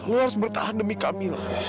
lu harus bertahan demi kamila